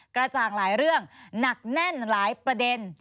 กระจ่างหลายเรื่องหนักแน่นหลายประเด็น